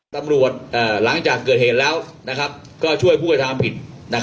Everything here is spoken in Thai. หลังจากเกิดเหตุแล้วก็ช่วยผู้กระทำผิด